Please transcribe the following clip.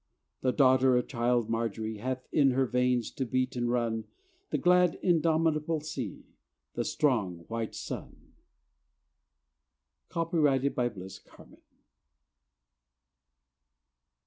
The daughter of child Marjory Hath in her veins, to beat and run, The glad indomitable sea, The strong white sun. Copyrighted by Bliss Carman.